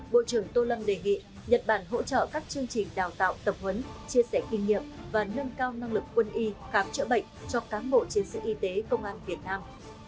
bộ trưởng tô lâm đề nghị nhật bản hỗ trợ các chương trình đào tạo tập huấn chia sẻ kinh nghiệm và nâng cao năng lực quân y khám chữa bệnh cho cám bộ chiến sĩ y tế công an việt nam